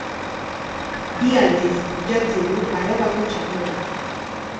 Bi aldiz jantzi du Arabako txapela.